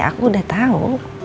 aku udah tau